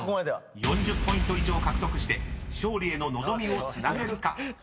［４０ポイント以上獲得して勝利への望みをつなげるか？］